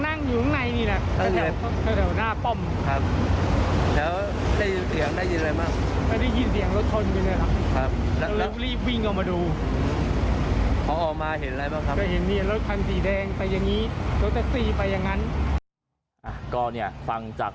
ได้ยินเสียงรถทนกันเลยครับ